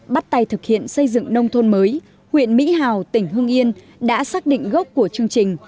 bắt tay thực hiện xây dựng nông thôn mới huyện mỹ hào tỉnh hương yên đã xác định gốc của chương trình